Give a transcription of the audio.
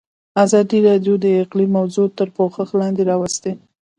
ازادي راډیو د اقلیم موضوع تر پوښښ لاندې راوستې.